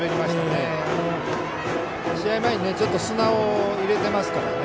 試合前に砂を入れてますからね。